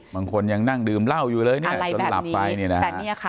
บางคนยังนั่งดื่มเหล้าอยู่เลยอะไรแบบนี้วันนี้ค่ะ